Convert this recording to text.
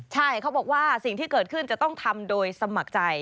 ใช่เขาบอกว่าสิ่งที่เกิดขึ้นจะต้องทำโดยสมัครใจ